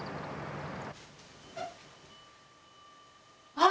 ・あっ！